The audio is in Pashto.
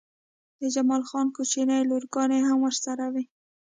د جمال خان کوچنۍ لورګانې هم ورسره وې